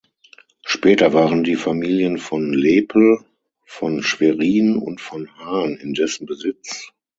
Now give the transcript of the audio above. Später waren die Familien von Lepel, von Schwerin und von Hahn in dessen Besitz.